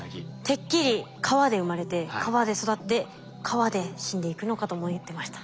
てっきり川で生まれて川で育って川で死んでいくのかと思ってました。